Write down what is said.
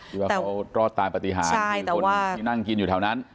ว่าเขารอดตายปฏิหารคนที่นั่งกินอยู่แถวนั้น